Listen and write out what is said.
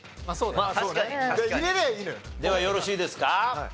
ではよろしいですか？